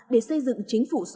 để xây dựng chính phủ số cơ sở